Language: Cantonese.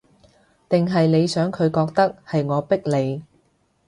定係你想佢覺得，係我逼你